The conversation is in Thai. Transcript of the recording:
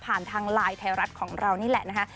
ทางไลน์ไทยรัฐของเรานี่แหละนะคะ